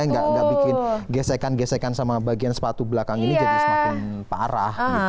nggak bikin gesekan gesekan sama bagian sepatu belakang ini jadi semakin parah